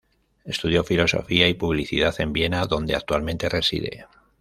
Estudió filosofía y publicidad en Viena, donde actualmente reside.